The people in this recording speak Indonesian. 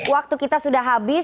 waktu kita sudah habis